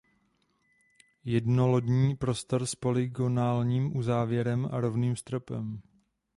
Jednolodní prostor s polygonálním uzávěrem a rovným stropem.